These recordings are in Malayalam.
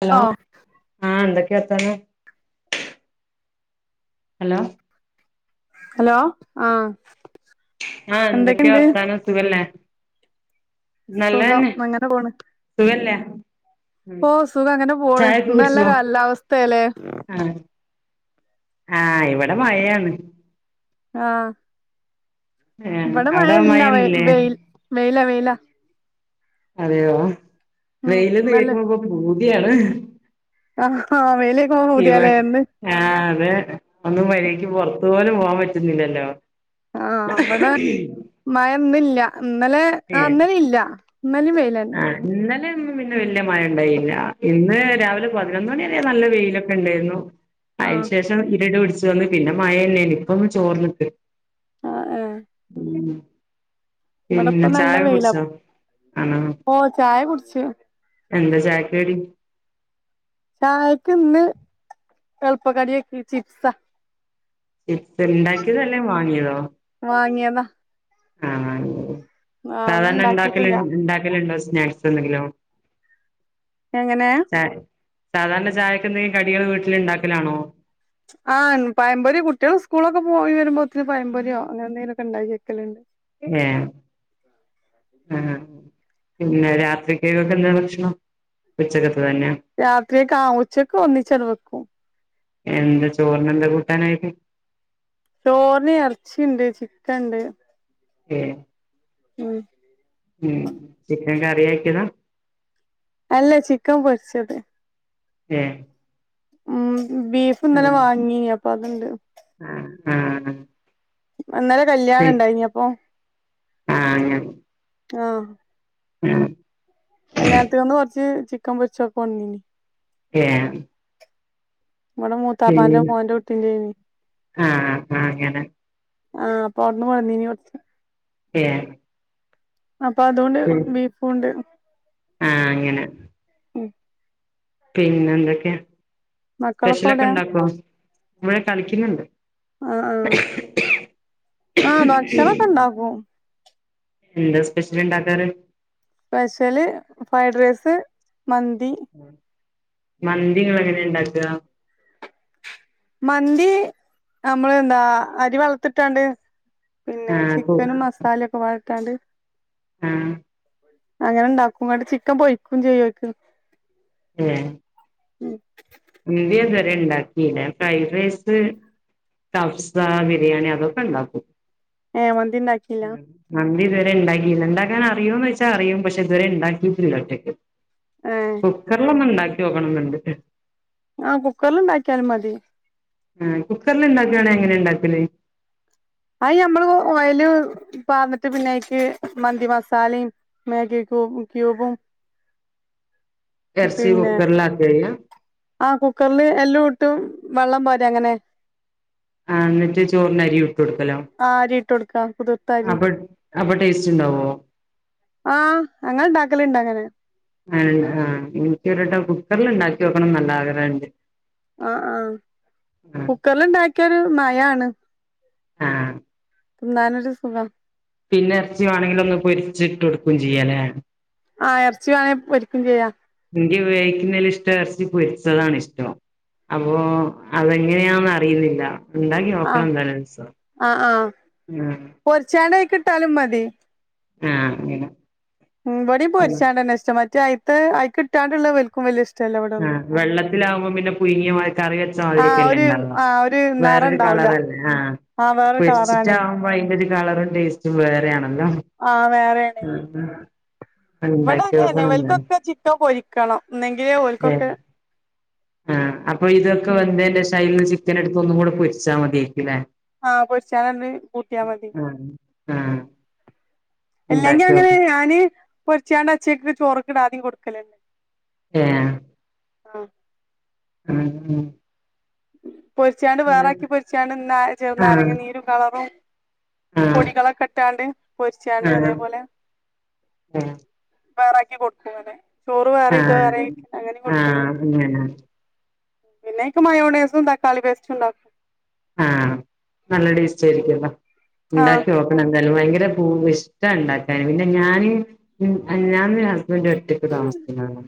ഹലോ ഓ ആഹ് എന്തൊക്കെയാ വർത്താനം ഹലോ ഹലോ ആഹ് ആഹ് എന്തൊക്കെയാ എന്തൊക്കെണ്ട് വർത്താനം സുഖല്ലേ സുഖം നല്ലതന്നെ അങ്ങനെ സുഖല്ലേ ഉം ഓഹ് സുഖം അങ്ങനെ പോണ് ചായൊക്കെ ഇന്ന് നല്ല കുടിച്ചോ കാലാവസ്ഥ ല്ലേ ആഹ് ആഹ് ഇവിടെ മഴയാണ് ആഹ് ഏഹ് ഇവടെ അവിടെ മഴയില്ല വെയ് മഴയൊന്നുല്ലേ വെയിൽ വെയിലാ വെയിലാ അതെയോ ഉം വെയില്ന്ന് നല്ല കേക്കുമ്പൊ ഇപ്പോ പൂതിയാണ് ആഹ് ഹാ വെയില് കേക്കുമ്പോ ഇവ പൂതിയാല്ലേന്ന് ആഹ് അതെ ഒന്നു വെളീക്ക് പൊറത്തു പോലും പോകാൻ പറ്റുന്നില്ലല്ലോ ആഹ് ഇവ്ടെ മഴ ഇന്നില്ല ഇന്നലെ ആഹ് ഇന്നലെ ഇല്ല ഇന്നലേം വെയിലാർ ഇന്നലേം ഇന്നും പിന്നെ വല്യ മഴ ഉണ്ടായില്ല ഇന്ന് രാവിലെ പതിനൊന്ന് മണി വരെ നല്ല വെയിലൊക്കെ ഇണ്ടായിരുന്നു അയ്ന് ആഹ് ശേഷം [unintelligible] പിടിച്ചു വന്ന് പിന്നെ മഴ ഇല്ലേന് ഇപ്പൊന്ന് ചോർന്നിട്ട് ആഹ് ഏഹ് ഉം ഇവിടെപ്പ പിന്നെ ചായേക്ക കുടിച്ചൊ ആണോ ഓഹ് ചായ കുട്ച്ച് എന്താ ചായക്ക് കടി ചായക്ക് ഇന്ന് എളുപ്പ കടിയാക്കി ചിപ്സാ ചിപ്സ് ഇണ്ടാക്കിയതോ അല്ലേ വാങ്ങിയതോ വാങ്ങിയതാ ആഹ് അങ്ങനെ ആഹ് ഇന്ന് സാധാരണ ഇണ്ടാക്കല് ഇണ്ടാക്കിട്ടില്ല ഇൻ ഇണ്ടാക്കല്ണ്ടോ സ്നാക്സ് എന്തെങ്കിലും എങ്ങനാ [unintelligible] സാധാരണ ചായക്ക് എന്തെങ്കിലും കടികള് വീട്ടിലിണ്ടാക്കലാണോ ആഹ് പയമ്പൊരി കുട്ട്യള് സ്കൂളിലൊക്കെ പോയി വരുമ്പോത്തിന് പയമ്പൊരിയോ അങ്ങനെ എന്തെങ്കിലൊക്കെ ഇണ്ടാക്കി വെക്കല്ണ്ട് ഏഹ് ആഹ് [inaudible] പിന്നെ രാത്രിക്കൊക്കെ എന്താ ഭക്ഷണം ഉച്ചക്കത്തത് തന്നാ രാത്രിയെക്ക ആവും ഉച്ചക്ക് ഒന്നിച്ചത് വെക്കും എന്താ ചോറിനെന്താ കൂട്ടാനായിട്ട്? ചോറിന് എറച്ചീ ണ്ട് ചിക്കണ്ട് ഏഹ് ഉം ഉം ചിക്കൻ കറിയാക്കിയതാ? അല്ല ചിക്കൻ പൊരിച്ചത് ഏഹ് ഉം ബീഫ് ഇന്നലെ വാങ്ങീന് അപ്പൊ അത്ണ്ട് ആ ആഹ് ഇന്നലെ കല്യാണണ്ടായിനി അപ്പൊ ആഹ് അങ്ങനെ ആഹ് ഉം കല്യാണത്തിങ്ങന്ന് കൊറച്ച് ചിക്കൻ പൊരിച്ചതൊക്കെ കൊണ്ടന്നീനു ഏഹ് ഇവടെ മൂത്താപ്പാന്റെ മോന്റെ കുട്ടീന്റേന് ആഹ് ആ അങ്ങനെ ആഹ് അപ്പവിട് ന്ന് കൊണ്ടന്നി നീ കൊറച്ച് ഏഹ് അപ്പൊ അതുണ്ട് ബീഫുണ്ട് ആഹ് അങ്ങനെ ഉം പിന്നെ എന്തൊക്കെയാ മക്കളൊക്കെ സ്പെഷ്യലൊക്കെ എവിടെ ഉണ്ടാക്കോ ഇവടെ കളിക്കുന്നുണ്ട് ആഹ് ആഹ് ആ ഭക്ഷണൊക്കെ ഇണ്ടാക്കും എന്താ സ്പെഷ്യല് ഇണ്ടാക്കാറ്? സ്പെഷ്യല് ഫ്രൈ റൈസ് മന്തി മന്തി ഇങ്ങളെങ്ങനെണ്ടാക്കാ? മന്തി അമ്മള് എന്താ അരി വെള്ളത്തിലിട്ടാണ്ട് പിന്നെ ചിക്കനും മസാലൊക്കെപ്പാടെട്ടാണ്ട് ആഹ് അങ്ങനെ ഇണ്ടാക്കും ഇവ്ടെ ചിക്കൻ പൊരിയ്ക്കും ചെയ്യെക്കും ഇല്ലെ ഉം മന്തി ഇതുവരെ ഇണ്ടാക്കില്ല ഞാൻ ഫ്രൈഡ് റൈസ് കഫ്സ ബിരിയാണി അതൊക്കെ ഇണ്ടാക്കും ഏഹ് മന്തി ഇണ്ടാക്കില്ല മന്തി ഇതുവരെ ഇണ്ടാക്കില്ല ഇണ്ടാക്കാൻ അറിയോന്നോയിച്ചാ അറിയും പക്ഷെ ഇതുവരെ ഇണ്ടാക്കിയിട്ടില്ല ഒറ്റക്ക് ഏ കുക്കറിലൊന്നുണ്ടാക്കി നോക്കണെന്നുണ്ട് ആഹ് കുക്കറിൽ ഇണ്ടാക്കിയാലും മതി ആഹ് കുക്കറിൽ ഉണ്ടാക്കാണെ എങ്ങനെയാ ഇണ്ടാക്കല് അയ് ഞമ്മള് ഓയല് പാർന്നിട്ട് പിന്നെയിക്ക് മന്തി മസാലേം മാഗി ക്യൂ ക്യൂബും എർച്ചി കുക്കറിലാക്കെയ്യാ? ആഹ് കുക്കറില് എല്ലാം ഇട്ടും വെള്ളം പാരാ അങ്ങനെ ആഹ് എന്നിട്ട് ചോറിനരി ഇട്ട് കൊടുക്കലോ ആ അരിട്ടൊടുക്കാം കുതിർ അപ്പ അപ്പ ടേസ്റ്റുണ്ടാവോ? ആഹ് ഞങ്ങള്ണ്ടാക്കലുണ്ട് അങ്ങനെ അതെയോ. ആഹ് എനിക്കൊരുവട്ടം കുക്കറിൽ ഉണ്ടാക്കി നോക്കണന്ന് നല്ല ആഗ്രഹം ഉണ്ട്. ആഹ് ആഹ് കുക്കറിൽ ഉണ്ടാക്കിയാൽ ഒരു മയാണ്. ആഹ് തിന്നാനൊരു സുഖം. പിന്നെ എറച്ചി മാണെങ്കിലും ഒന്ന് പൊരിച്ചിട്ട് കൊടുക്കു ചെയ്യാലേ ആഹ് എറച്ചി മാണെ പൊരിക്കും ചെയ്യാ ഇ നിക്ക് വേവിക്കുന്നതിലും ഇഷ്ടം എറച്ചി പൊരിച്ചതാണ് ഇഷ്ടം. അപ്പോ അതെങ്ങനെയാന്ന് അറിയുന്നില്ല. ഇ ണ്ടാക്കി ആ നോക്കണം എന്തായാലൊരീസം ആ ആ ആഹ് പൊരിച്ചാണ്ട് അയിക്ക് ഇട്ടാലും മതി. ആഹ് അങ്ങനെ ഉം ഇവിടിം പൊരിച്ചാണ്ടന്നെ ഇഷ്ടം മറ്റേ അയത്ത് അയിക്കിട്ടാണ്ടുള്ള ഓൽ ക്കും വല്യ ഇഷ്ടല്ല ഇവടെ ആഹ് വെള്ളത്തിലാവുമ്പോ പിന്നെ പുഴുങ്ങിയ മാ കറി ആ വെച്ചമാതിരിന്നെ അല്ലെ ഇ ഒരു ണ്ടാവാ ആ ഒരു നിറം വേറൊരു ഉണ്ടാവൂല കളറല്ലേ ആഹ് ആ വേറൊരു കളറാണേ പൊരിച്ചിട്ടാകുമ്പോ അതിന്റെ ഇതിന് കളറും ടേസ്റ്റും വേറെയാണല്ലോ ആഹ് വേറെയാണ്. ആഹ് ഉണ്ടാക്കി നോക്കണം ഇന്ന് ക്ക പൊരിക്കണം എന്നെങ്കിലെ ഏഹ് ഓൽക്കൊക്കെ ആഹ് അപ്പൊ ഇതൊക്കെ വെന്തേനു ശേഷം അയ്ലെ ചിക്കൻ എടുത്തൊന്നും കൂടെ പൊരിച്ചാൽ മതിയേരിക്കുല്ലേ. ആഹ് പൊരിച്ചാനല് കൂട്ടിയാ മതി. ആഹ് അല്ലെങ്കി ഉണ്ടാക്കി അങ്ങനെ നോക്കണം ഞാന് പൊരിച്ചാണ്ട് അച്ചേക്ക് ചോറൊക്കെ ഇടാതെയും കൊടുക്കലുണ്ട്. യെഹ് ആഹ്. ആഹ് ആഹ് പൊരിച്ചാണ്ട് വേറാക്കി പൊരിച്ചാണ്ട് ഇന്നാ ആഹ് ചെറുനാരങ്ങ നീരും കളറും ആഹ് പൊടികളൊക്കെ ഇട്ടാണ്ട് പൊരിച്ചാണ്ട് അതേപോലെ തയ്യാറാക്കി കൊടുക്കും അങ്ങനെ. ചോറ് ആഹ് വേറെയും ഇത് ആഹ് വേറെയും അങ്ങനെ കൊടുക്കല് അങ്ങനെ പിന്നെഅഴിക്ക് മയോണൈസും തക്കാളി പേസ്റ്റും ഉണ്ടാ ആഹ് നല്ല ടേസ്റ്റായിരിക്കുവല്ലോ ആഹ് ഉണ്ടാക്കി നോ എന്തായാലും ഭയങ്കര പൂ ഇഷ്ടാ ഇണ്ടാക്കാൻ പിന്നെ ഞാന് ഞാൻ ഹസ്ബൻഡ് ഒറ്റ ക്ക് താമസിക്കുന്ന കാരണം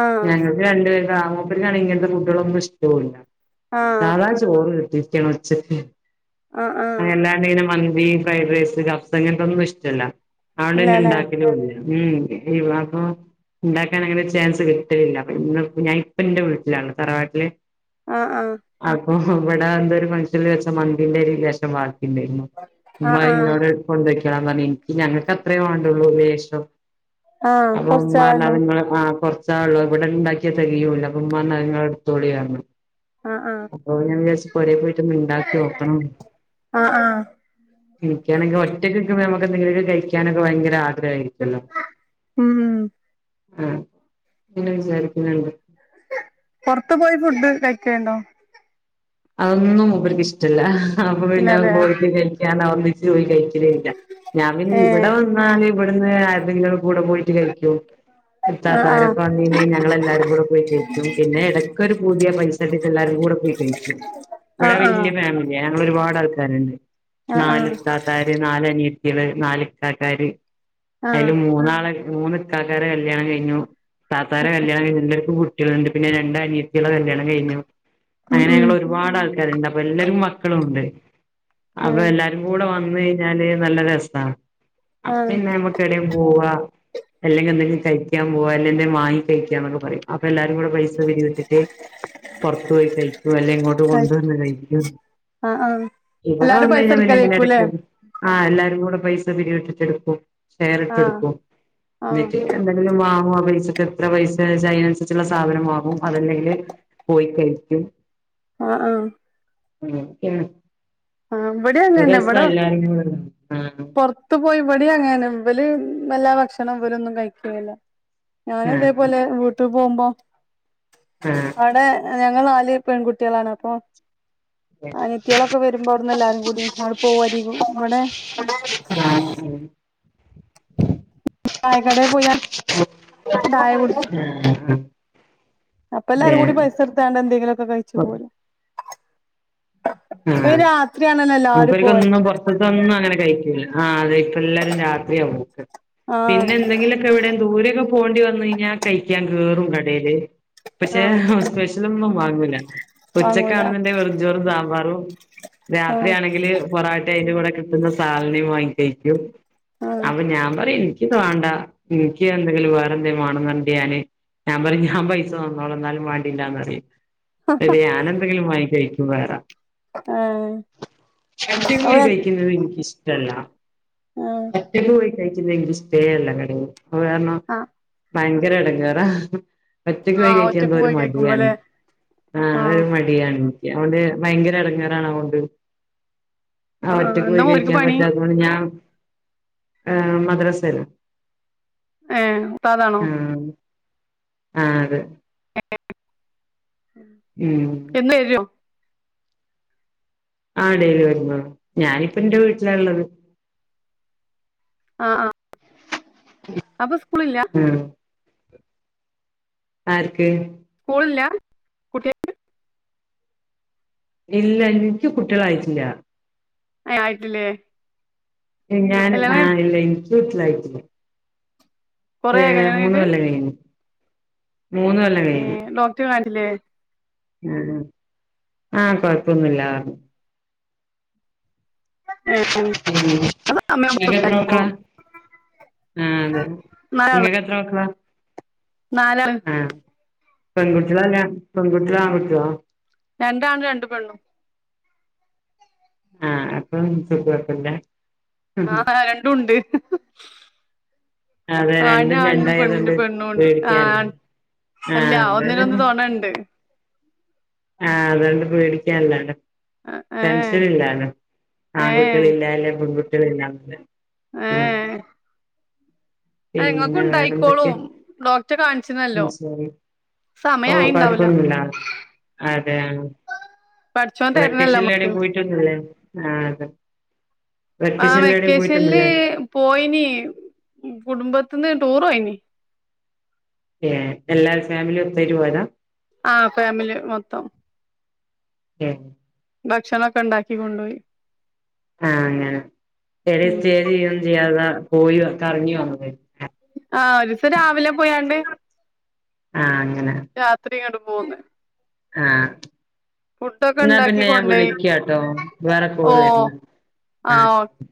ആഹ് ഞങ്ങൾക്ക് രണ്ടുപേർക്ക് മൂപ്പര്ക്കാണെങ്കി ഇങ്ങനത്തെ ഫുഡ്കളൊന്നും ഇഷ് ട്ടൂല്ല ആഹ് സാധാ ചോറ് കിട്ടിരിയിരിക്കണം ഉച്ചയ്ക്ക് ആഹ് ആഹ് [unintelligible] മന്തി ഫ്രൈഡ് റൈസ് കബ്സ ഇങ്ങനത്തെൊന്നും ഇഷ്ട്ടുല്ല അതൊണ്ടൊന്നും ഇ ഇല്ലല്ലേ ണ്ടാക്കലൂല്ല ഉം വിവാഹോ? ഇ ണ്ടാക്കാൻ അങ്ങനെ ചാൻസ് കിട്ട് ഇല്ല ഇന്ന് ഞാൻ ഇപ്പ ഇന്റെ വീട്ടിലാണ് തറവാട്ടില് ആഹ് ആഹ്. അപ്പൊ ഇവിടെ എന്തോ ഒരു ഫംഗ്ഷനിൽ വെച്ച മന്തീന്റെ അരി ലേശം ബാക്കിയിണ്ടായിരുന്നു. ഉമ്മ ആഹ് അത് ഇ ആഹ് ന്നോട് കൊണ്ടോയ്ക്കോളാൻ പറഞ്ഞു എനിയ്ക്ക് ഞങ്ങൾക്ക് അത്രേം വേണ്ടൊള്ളൂ ലേശം. ആഹ് അപ്പം ഉമ്മ പറഞ്ഞു കൊറച്ചാളല്ലോ അത് നിങ്ങള് ആഹ് കൊറച്ചാ ഉള്ളത് ഇവിടെ ഉണ്ടാക്കിയ തികയൂല്ല അപ്പെ ഉമ്മാ പറഞ്ഞു അത് നിങ്ങള് എടുത്തോളീ പറഞ്ഞു. ആഹ് ആഹ് അപ്പൊ ഞാൻ വിചാരിച്ചു പൊരേ പോയിട്ടൊന്ന് ഇ ണ്ടാക്കി നോക്കണം ആഹ് ആഹ് ഇ നിക്കാണെങ്കി ഒറ്റയ്ക്ക് നിക്കുമ്പേ നമുക്ക് എന്തെങ്കിലുമൊക്കെ കഴിക്കാനൊക്കെ ഭയങ്കര ആഗ്രഹായിരി ക്കല്ലോ ഉം ഉം ആഹ് ഇങ്ങനെ വിചാരിക്ക്ണ്ട്. പൊറത്തു പോയി ഫുഡ് കഴിക്കലുണ്ടോ? അതൊന്നും മൂപ്പർക്ക് ഇഷ്ടല്ല അപ്പൊ പിന്നെ ഇല്ലല്ലേ പോയിട്ട് കഴിക്കാനൊ ഒന്നിച്ച് പോയി കഴി ക്കലേ ഇല്ല ഞാൻ പിന്നെ ഇവിടെ ഏഹ് വന്നാല് ഇവിടുന്ന് ആരുടെങ്കിലൊക്കെ കൂടെ പോയിട്ട് കഴിക്കും. ആഹ് ആഹ് ഇത്താത്തവരൊക്കെ വന്നേണ്ടെങ്കി ഞങ്ങളെല്ലാരും കൂടെ പോയി കഴിക്കും. പിന്നെ ഇടക്കൊരു പൂതിയാ പൈ സഡിട്ട്ള്ള എല്ലാരും കൂടെ പോയി കഴിക്കും. ഇവിടെ ആഹ് ആഹ് വല്യയ ഫാമിലിയാ. ഞങ്ങള് ഒരുപാട് ആൾക്കാര്ണ്ട് ആഹ് നാല് ആഹ് ഇത്താ താത്താര് നാല് അനിയത്തേള് നാല് ഇക്കാക്കാര് അയ്ല് ആഹ് മൂന്നാളെ മൂന്ന് ഇക്കാക്കാരെ കല്യാണം കയ്ഞ്ഞു താത്താരെ കല്യാണം കയ്ഞ്ഞു എല്ലർക്കും കു ട്യള്ണ്ട് പിന്നെ രണ്ട് അനിയത്തെളെ കല്യാണം കയ്ഞ്ഞു ഉം അങ്ങനെ ഉം ഞങ്ങൾ ഒരു ഒരുപാട് ആൾക്കാര്ണ്ട് അപ്പം എല്ലരും മക്കളും ഉണ്ട് അപ്പം ഏഹ് എല്ലാ രുംകൂടെ വന്ന് കയ്ഞ്ഞാല് നല്ല രസ അപ്പം ആഹ് പിന്നെ നമ്മക്ക് എടെം പോവാ അല്ലെങ്കിൽ എന്തെങ്കിം കയ്ക്കാൻ പോവാ അല്ലെങ്കി എന്തെം മാങ്ങി കയ്ക്കാന്നൊക്കെ പറിം അപ്പൊ എല്ലാരും കൂടെ പൈ പൈസ പിരിവിട്ടിട്ട് പൊറത്ത് പോയി കയ്ക്കും അല്ലെ ഇങ്ങോ ട്ട് കഴി കൊണ്ട് വന്ന് കയ്ക്കും ആഹ് ആഹ് ഇവടെ എല്ലാരും വന്ന് പൈസ കയ്ഞ്ഞാ പിന്നെ എടുക്കലേക്കൂല്ലേ എടയ്ക്കൊരു ആഹ് എല്ലാരും കൂടെ പൈസ പിരിവിട്ട്ട്ട് എടുക്കും ഷെയറിട്ട് ആഹ് എടുക്കും ആഹ് എന്നിട്ട് എന്തെങ്കിലും വാങ്ങും ആഹ് പൈസക്ക് എത്ര പൈസ അയിനനുസരിച്ള്ള സാധനം വാങ്ങും അതല്ലെങ്കി പോയി കൈക്കും ആഹ് ആഹ് ഏ ആഹ് ഇവിടേം ഒരു അങ്ങന്നെ സം ഇവിടെ എല്ലാരും കൂടെ ഉം പൊറത്ത് പോയി ഇവടിം അങ്ങനെന്നെ ഇവല് വല്ലാ ഭക്ഷണം ഇവലൊന്നും കയിക്കൂല ഞാനും ഇതേപോലെ വീട്ട് പോവുമ്പം ആഹ് അടെ ഞങ്ങൾ നാല് പെൺകുട്ടേളാണ് അപ്പൊ ആഹ് അനിയതേളൊക്കെ വര് മ്പം അവുട്ന്ന് എല്ലാരും കൂടി ആണ്ട് പോവും അരീക്കോ ഇവടെ [unintelligible] ചായകടെ പോയാ ചായ കുടി ആഹ് ആഹ് അപ്പം എല്ലാരും കൂടി പൈസ ഇട്ത്താണ്ട് എന്തെങ്കിലൊ കയ്ച് പോരും ഇപ്പം ഈ രാത്രിയാണല്ലോ എല്ലാരും പോവല് ഫുഡൊന്നും അങ്ങനെ കയ്ക്കൂല്ല ആഹ് അതെ ഇപ്പം എല്ലാരും രാത്രിയാ പോവല് ആഹ് പിന്നെ എന്തെങ്കിലൊ എവടെം ദൂരൊക്കെ പോവണ്ടി വന്നയ്‌ഞ്ഞാ കയ്ക്കാൻ കേറും കടേല് പക്ഷെ ആഹ് സ്പെഷ ഷലൊന്നും വാങ്ങൂല വാങ്ങൂല ഉച്ചക്കാണെന്നുണ്ടേ വെറും ചോറും സാമ്പാറും ആഹ് രാത്രിയാണെ ണെങ്കില് പൊറാട്ടെം അയ്ൻ്റെ കൂടെ കിട്ടുന്ന സാലടിം വാങ്ങി കയിയ്ക്കും ആഹ് അപ്പം ഞാൻ പറിം ഇക്ക്‌യ് ഇത് വാണ്ട ഇൻക്ക് എന്തെങ്കിലും വേറെന്തെം വാണംന്ന് പറഞ്ഞിട്ട് ഞാന് ഞാം പറിം ഞാൻ പൈസ തന്നോള ഇന്നാലും മാണ്ടില്ലാന്നറിം അയ്ല് ഞാൻ എന്തെങ്കിലും വാങ്ങി കയിക്കും വേറെ ഏ ചട്ടി മോറി കയിയ്ക്കുന്നത് ഇൻക്കിഷ്ടല്ല ആഹ് ഒറ്റക്ക് പോയി കയിയ്ക്കുന്ന ഇൻക്കിഷ്ടേ അല്ല കടേന്ന് അത് കാരണം ആ ഭയങ്കര അടങ്ങറാ ഒറ്റയ്ക്ക് പോയി ആഹ് കയിയ്ക്കാൻ എന്തൊ ഒറ്റക്ക് ഒര് പോയി മടിയാണ് കഴിക്കുമ്പോല്ലേ ആഹ് ഒരു മടിയാണ് ൻക്ക്യ അതോണ്ട് ഭയങ്ക ങ്കര എടങ്ങേറാണ അഹോണ്ട് അഹ് ആഹ് ഒറ്റക്ക് എന്താ പോയി മോര്ക്ക് കയിയ്ക്കാം പണി പറ്റാ അതോണ്ട് ഞാം ഏ മദ്‌റസേല് ഏ ഉസ്താദാണൊ ആഹ് ആഹ് അതെ ഏ ഉം എന്ന് വരോ ആഹ് ഡെയ്‌ലി വരുന്നു ഞാനിപ്പന്റെ വീട്ടിലാള്ളത് ആഹ്അഹ് അപ്പം സ്കൂളില്ല ആഹ് ആർക്ക് സ്‌കൂളില്ലാ ഇല്ല ഇൻക്ക് കുട്ടേളായിട്ടില്ല ഏ ആയിട്ടില്ലേ ഏ ഞാന് കല്യാണം കഴി ആഹ് ഇല്ലേ ഇൻക്ക് കുട്ടികളായിട്ടില്ല കൊറേ ഏ ആയോ കല്യാണം കഴിഞ്ഞിട്ട് മൂന്നൊല്ലം കയ്ഞ്ഞ് മൂന്നൊല്ലം ഏ ഡോക് ടറെ കാണിച്ചിലെ ഉം ആഹ് കൊഴപ്പൊന്നുമില്ലാന്ന് പറഞ്ഞു ഏ പിന്നെ നീങ്ങള് എത്ര മക്കളാ ആഹ് അതെ നാലാള് ഇങ്ങക്ക് എത്ര മക്കളാ നാലാള് ആഹ് പെൺകുട്ടികൾതന്നാ പെൺകുട്ടികളും ആൺകുട്ടികളും രണ്ടാണ് രണ്ട് പെണ്ണും ആഹ് അപ്പൊ സുഖമാക്കില്ല ആഹ് രണ്ടും ഉണ്ട് അതെ ആണിന് രണ്ടും ആണും പെണ്ണിന് രണ്ടായതൊണ്ട് പെണ്ണും ഉണ്ട് പേടിക്കാല്ല ആഹ് അല്ല ആഹ് ഒന്നിന് അത് ഒന്ന് തുണയുണ്ട് ആഹ് അതൊണ്ട് പേടിക്കാൻല്ലാല്ലോ ഏഹ് ടെൻഷൻ ഇല്ലാന്ന് ആൺകുട്ടികൾ ഇല്ലല്ലൊ പെൺകുട്ടികളില്ലന്നുള്ള. ആ ഏ അയ് നിങ്ങക്ക് പിന്നെ വേറെന്തൊക്കെ ഉണ്ടായിക്കോളും ഡോക്ടറെ കാണിച്ചിരുന്നല്ലോ. ഉം ശരി ഓ സമയം ആയിട്ടുണ്ടാവില്ല കൊഴപ്പൊന്നുല്ല അതെ പഠിച്ചോൻ തരണല്ലോ വെക്കേഷന് നമ്മക്ക് എവിടെയും പോയിട്ടൊന്നുല്ലേ ആഹ് അതെ ആഹ് വെക്കേഷനിൽ എവിടേം വെക്കേഷനിൽ പോയിട്ടൊന്നുല്ലേ പോയിനി കുടുംബത്തിന്ന് ടൂർ പോയിന് ഏ എല്ലാ ഫാമിലി ഒത്തേരു പോയതാ ആഹ് ഫാമിലി മൊത്തം എൻ ഭക്ഷണംമൊക്കെ ഉണ്ടാക്കി കൊണ്ടുപോയി ആഹ് അങ്ങനെ എവടെയും ഉം സ്റ്റേ ചെയ്യൊന്നും ചെയ്യാതാ പോയിക്കറങ്ങി വന്നത് ആഹ് ഒരു ദിവസം രാവിലെ പോയണ്ട് ആഹ് അങ്ങനെ രാത്രിങ്ങട് പോന്ന് ആഹ് ഫുഡൊക്കെ എന്നാ ഉണ്ടാക്കി പിന്നെ ഞാൻ കൊണ്ടോയി വിളിക്കട്ടോ വേറെ ഓ കോള് വരുന്നുണ്ട് ആ ആഹ് ഓ ശരി